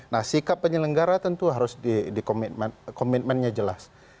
nah sikap penyelenggara tentu harus di komitmennya jelas